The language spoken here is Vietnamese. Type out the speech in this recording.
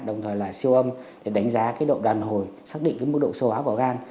đồng thời là siêu âm để đánh giá độ đoàn hồi xác định mức độ sâu áo của gan